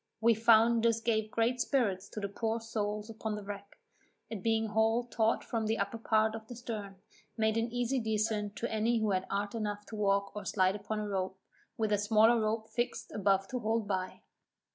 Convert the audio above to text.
We found this gave great spirits to the poor souls upon the wreck, it being hauled taught from the upper part of the stern, made an easy descent to any who had art enough to walk or slide upon a rope, with a smaller rope fixed above to hold by.